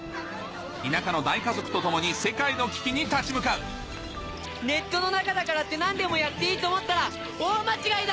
田舎の大家族と共に世界の危機に立ち向かうネットの中だからって何でもやっていいと思ったら大間違いだ！